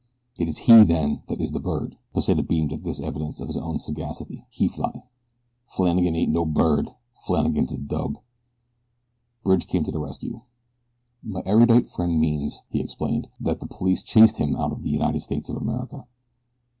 "It is he then that is the bird." Pesita beamed at this evidence of his own sagacity. "He fly." "Flannagan ain't no bird Flannagan's a dub." Bridge came to the rescue. "My erudite friend means," he explained, "that the police chased him out of the United States of America."